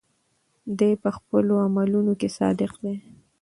دی په خپلو عملونو کې صادق دی.